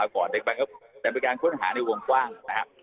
ก่อนเด็กไปก็จะเป็นการค้นหาในวงกว้างนะครับ